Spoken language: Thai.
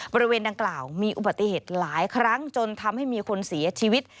บริเวณดังกล่าวมีอุบัติเหตุหลายครั้งจนทำให้มีคนเสียชีวิต